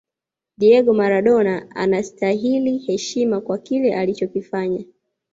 diego maradona anasitahili heshima kwa kile alichokifanya